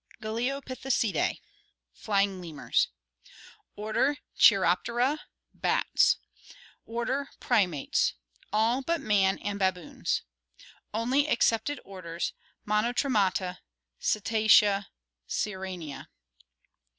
Galeopithecidac, "flying lemurs." Order Cheiroptera, bats. Order Primates. All but man and baboons. Only excepted orders: Monotremata, Cetacea, Sirenia.